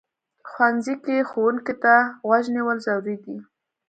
ښوونځی کې ښوونکي ته غوږ نیول ضروري دي